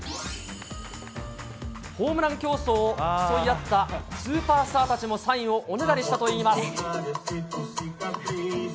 ホームラン競争を競い合ったスーパースターたちもサインをおねだりしたといいます。